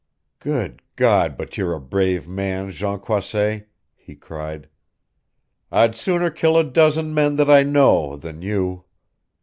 "Good God, but you're a brave man, Jean Croisset!" he cried. "I'd sooner kill a dozen men that I know than you!"